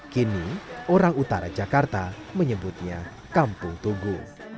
kini orang utara jakarta menyebutnya kampung tugu